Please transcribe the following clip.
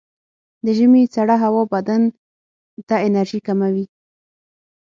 د ژمي سړه هوا بدن ته انرژي کموي.